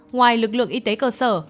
ngoài lực lượng y tế cơ sở